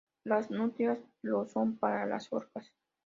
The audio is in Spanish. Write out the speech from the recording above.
Las nutrias lo son para las orcas.